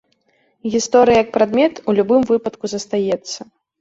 Гісторыя як прадмет у любым выпадку застаецца.